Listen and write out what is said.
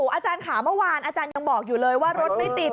อาจารย์ค่ะเมื่อวานอาจารย์ยังบอกอยู่เลยว่ารถไม่ติด